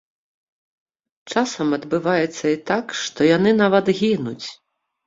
Часам адбываецца і так, што яны нават гінуць.